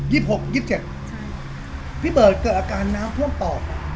หกยี่สิบเจ็ดใช่พี่เบิร์ตเกิดอาการน้ำท่วมปอด